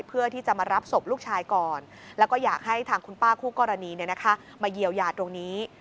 เพื่อที่จะมารับศพลูกชายก่อนแล้วก็อยากให้ทางคุณป้าคู่กรณีมาเยียวยาตรงนี้